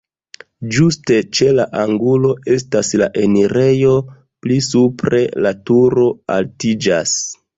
Ĝuste ĉe la angulo estas la enirejo, pli supre la turo altiĝas.